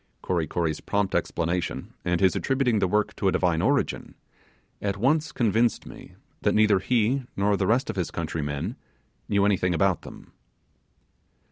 Kory Kory's prompt explanation and his attributing the work to a divine origin, at once convinced me that neither he nor the rest of his country men knew anything about them.